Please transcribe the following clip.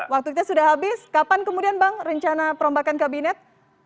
waktu kita sudah habis kapan kemudian bang rencana perombakan kabinet